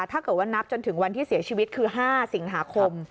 ถ้าเกิดว่านับจนถึงวันที่เสียชีวิตคือ๕สิงหาคม